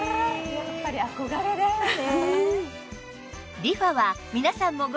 やっぱりこれよね。